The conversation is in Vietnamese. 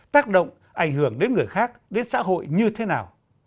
tác động ảnh hưởng đến người khác đến xã hội như thế nào